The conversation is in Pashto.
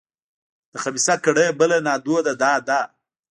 د خبیثه کړۍ بله نادوده دا ده.